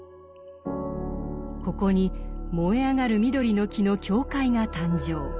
ここに「燃えあがる緑の木」の教会が誕生。